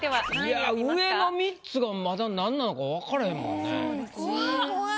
上の３つがまだなんなのかわかれへんもんね。